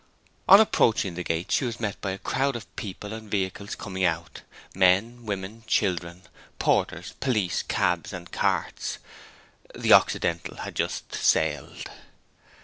On approaching the gates she was met by a crowd of people and vehicles coming out men, women, children, porters, police, cabs, and carts. The Occidental had just sailed.